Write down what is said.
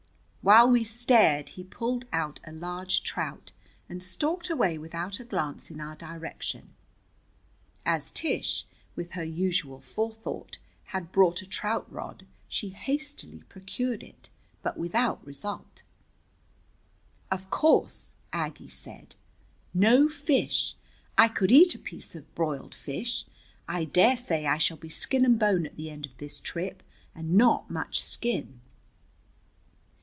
While we stared he pulled out a large trout, and stalked away without a glance in our direction. As Tish, with her usual forethought, had brought a trout rod, she hastily procured it, but without result. "Of course," Aggie said, "no fish! I could eat a piece of broiled fish. I dare say I shall be skin and bone at the end of this trip and not much skin."